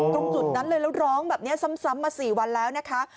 ตรงจุดนั้นเลยแล้วร้องแบบนี้ซ้ำมา๔วันแล้วนะคะ